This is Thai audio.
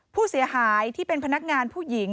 ผู้เสียหายที่เป็นพนักงานผู้หญิง